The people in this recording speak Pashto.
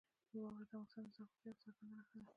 واوره د افغانستان د زرغونتیا یوه څرګنده نښه ده.